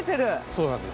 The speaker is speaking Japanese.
そうなんです。